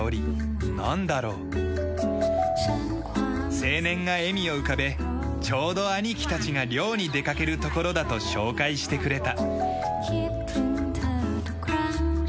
青年が笑みを浮かべちょうど兄貴たちが猟に出かけるところだと紹介してくれた。